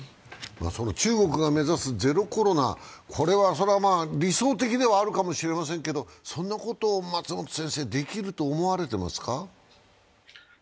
中国が目指すゼロコロナは理想的ではあるかもしれませんがそんなことをできると思われていますか？